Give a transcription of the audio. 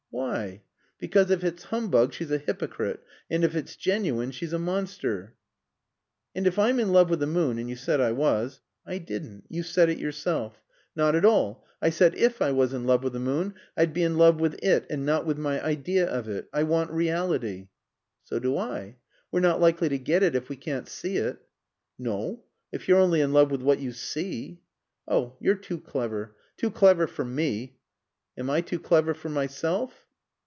"Why?" "Because if it's humbug she's a hypocrite, and if it's genuine she's a monster." "And if I'm in love with the moon and you said I was " "I didn't. You said it yourself." "Not at all. I said if I was in love with the moon, I'd be in love with it and not with my idea of it. I want reality." "So do I. We're not likely to get it if we can't see it." "No. If you're only in love with what you see." "Oh, you're too clever. Too clever for me." "Am I too clever for myself?"